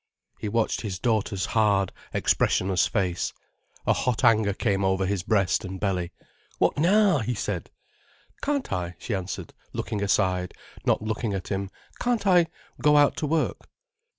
He watched his daughter's hard, expressionless face. A hot anger came over his breast and belly. "What now?" he said. "Can't I," she answered, looking aside, not looking at him, "can't I go out to work?"